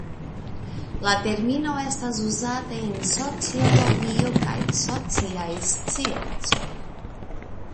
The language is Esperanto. La termino estas uzata en sociologio kaj sociaj sciencoj.